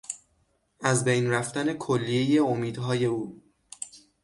از بین رفتن کلیهی امیدهای او